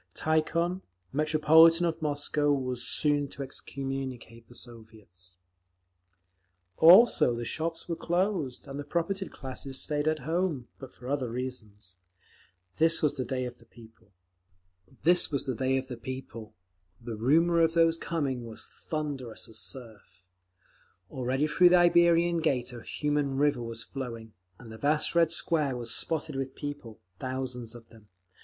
Tikhon, Metropolitan of Moscow, was soon to excommunicate the Soviets…. Also the shops were closed, and the propertied classes stayed at home—but for other reasons. This was the Day of the People, the rumour of whose coming was thunderous as surf…. Already through the Iberian Gate a human river was flowing, and the vast Red Square was spotted with people, thousands of them.